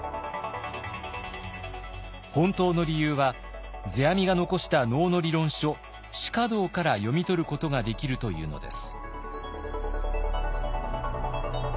本当の理由は世阿弥が残した能の理論書「至花道」から読み取ることができるというのです。